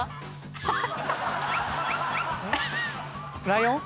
ライオン？